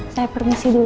saya permisi dulu